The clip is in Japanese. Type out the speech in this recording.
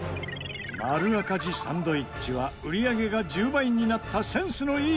まるあかじサンドイッチは売り上げが１０倍になったセンスのいい